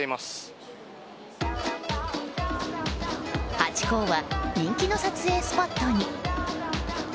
ハチ公は人気の撮影スポットに。